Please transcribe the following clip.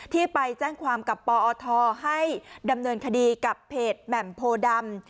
ที่ไปแจ้งความกับปอทให้ดำเนินคดีกับเพจแหม่มโพดำ